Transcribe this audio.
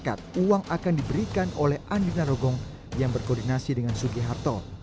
dekat uang akan diberikan oleh andrina rogong yang berkoordinasi dengan suki harto